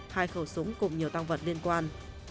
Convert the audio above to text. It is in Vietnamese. hai khẩu súng cùng nhiều tăng vật liên quan